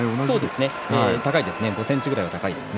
そうですね５ｃｍぐらい高いですね。